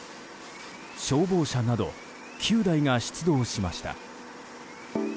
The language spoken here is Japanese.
消防車など９台が出動しました。